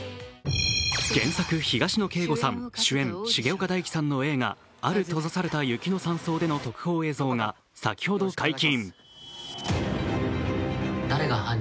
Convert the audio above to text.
原作・東野圭吾さん主演・重岡大毅さんの映画「ある閉ざされた雪の山荘で」の特報映像が先ほど解禁。